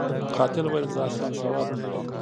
قاتل ویل، زه اصلاً سواد نلرم.